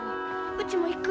うちも行く。